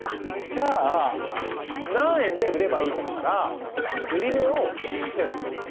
じゃあ何円で売ればいいかだから売値を円とする！